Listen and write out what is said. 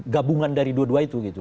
gabungan dari dua dua itu gitu